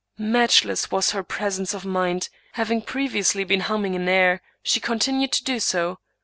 Matchless was her pres ence of mind ; having previously been humming an air, she continued to do so.